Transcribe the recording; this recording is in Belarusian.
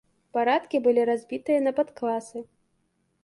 Парадкі былі разбітыя на падкласы.